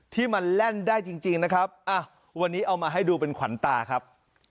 ที่มันแล่นได้จริงนะครับวันนี้เอามาให้ดูเป็นขวัญตาครับ